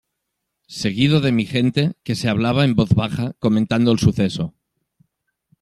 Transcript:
seguido de mi gente que se hablaba en voz baja comentando el suceso.